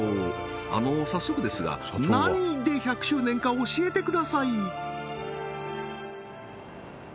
あの早速ですが何で１００周年か教えてください